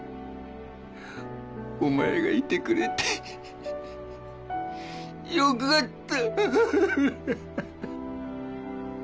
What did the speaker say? お前がいてくれてよかった。